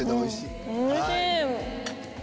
おいしい！